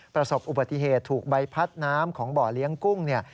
ประสบอุบัติเหตุถูกใบพัดน้ำของบ่อเลี้ยงกุ้งเนี่ย